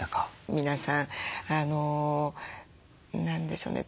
皆さん何でしょうね